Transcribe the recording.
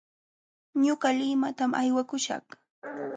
Ñuqa limatam aywakuśhaq.